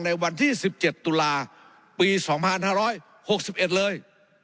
ในวันที่๑๗ตุลาปี๒๕๖๑เลย